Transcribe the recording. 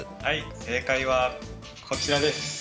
はい正解はこちらです。